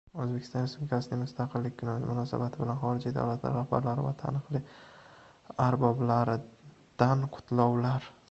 O‘zbekiston Respublikasining Mustaqilligi kuni munosabati bilan xorijiy davlatlar rahbarlari va taniqli arboblaridan qutlovlar